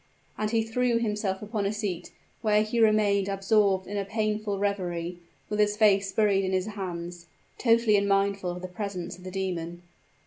And he threw himself upon a seat, where he remained absorbed in a painful reverie, with his face buried in his hands totally unmindful of the presence of the demon.